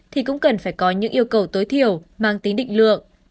thì cũng cần phải có những yêu cầu tối thiểu mang tính định lượng